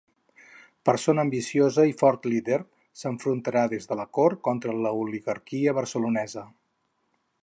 Persona ambiciosa i fort líder, s'enfrontarà des de la cort contra l'oligarquia barcelonesa.